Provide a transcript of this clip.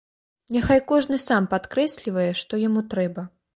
Няхай кожны сам падкрэслівае, што яму трэба.